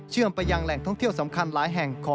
ทำให้เกิดปัชฎพลลั่นธมเหลืองผู้สื่อข่าวไทยรัฐทีวีครับ